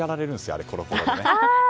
あのコロコロでね。